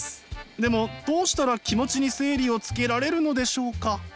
でもどうしたら気持ちに整理をつけられるのでしょうか？